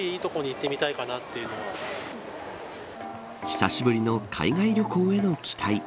久しぶりの海外旅行への期待。